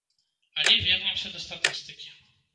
Але вернемся да статыстыкі.